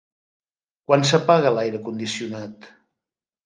Quan s'apaga l'aire condicionat?